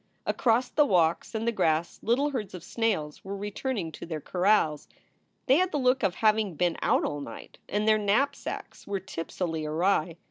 Across the walks and the grass little herds of snails were returning to their corrals. They had the look of having been out all night and their knapsacks were tipsily awry.